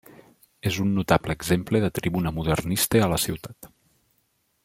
És un notable exemple de tribuna modernista a la ciutat.